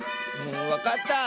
わかった！